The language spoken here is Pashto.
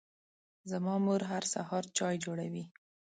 زما مور هر سهار چای جوړوي.